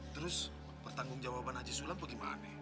terus pertanggung jawaban aji sulam bagaimana